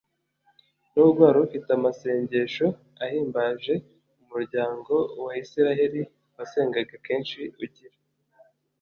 nubwo wari ufite amasengesho ahimbaje umuryango wa isiraheli wasengaga kenshi ugira